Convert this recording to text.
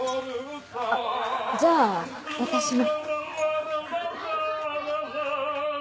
あっじゃあ私も。